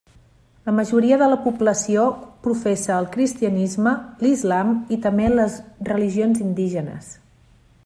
La majoria de la població professa el cristianisme, l'islam i també les religions indígenes.